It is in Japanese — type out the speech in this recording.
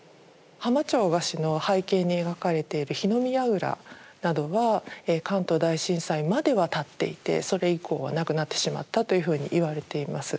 「浜町河岸」の背景に描かれている火の見やぐらなどは関東大震災までは建っていてそれ以降はなくなってしまったというふうに言われています。